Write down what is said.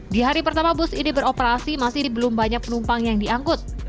di hari pertama bus ini beroperasi masih belum banyak penumpang yang diangkut